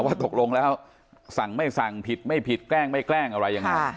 ว่าตกลงแล้วสั่งไม่สั่งผิดไม่ผิดแกล้งไม่แกล้งอะไรยังไง